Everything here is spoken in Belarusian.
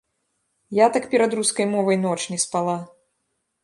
Я так перад рускай мовай ноч не спала.